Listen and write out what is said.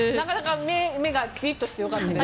目がきりっとしてよかったです。